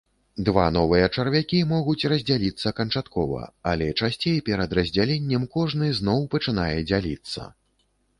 Два новыя чарвякі могуць раздзяліцца канчаткова, але часцей перад раздзяленнем кожны зноў пачынае дзяліцца.